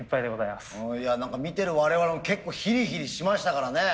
何か見てる我々も結構ヒリヒリしましたからね。ね